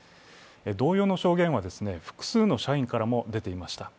同様の証言は複数の社員からも出ていました。